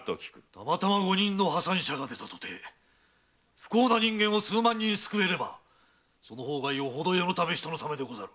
たまたま五人の破産者が出たとて不幸な人間を数万人救えればその方がよほど世のため人のためでござる。